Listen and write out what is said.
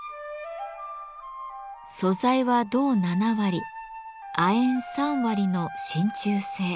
素材は銅７割亜鉛３割の真鍮製。